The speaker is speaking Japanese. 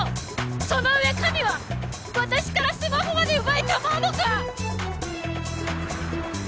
その上神は私からスマホまで奪いたもうのか！